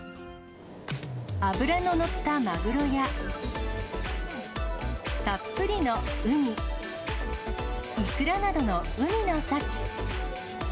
脂の乗ったマグロや、たっぷりのウニ、イクラなどの海の幸。